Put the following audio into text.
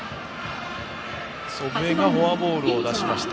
祖父江がフォアボールを出しました。